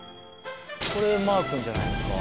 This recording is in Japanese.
これマー君じゃないですか？